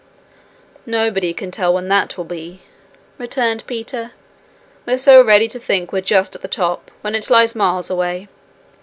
'Nobody can tell when that will be,' returned Peter. 'We're so ready to think we're just at the top when it lies miles away.